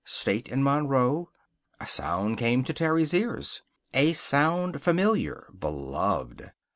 State and Monroe. A sound came to Terry's ears. A sound familiar, beloved.